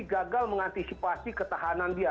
gagal mengantisipasi ketahanan dia